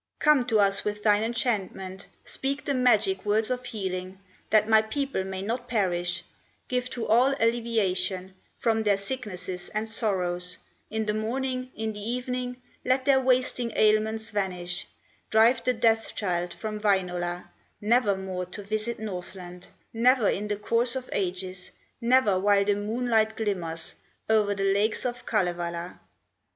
Come to us with thine enchantment, Speak the magic words of healing, That my people may not perish; Give to all alleviation From their sicknesses and sorrows; In the morning, in the evening, Let their wasting ailments vanish; Drive the Death child from Wainola, Nevermore to visit Northland, Never in the course of ages, Never while the moonlight glimmers O'er the lakes of Kalevala."